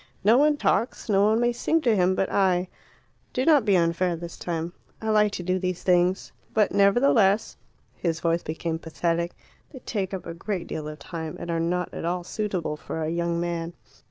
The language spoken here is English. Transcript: No one talks, no one may sing to him but I. Do not be unfair this time; I like to do these things. But nevertheless (his voice became pathetic) they take up a great deal of time, and are not all suitable for a young man."